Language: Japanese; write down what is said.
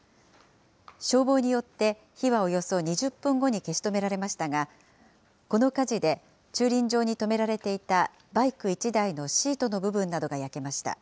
消防によって、火はおよそ２０分後に消し止められましたが、この火事で駐輪場に止められていたバイク１台のシートの部分などが焼けました。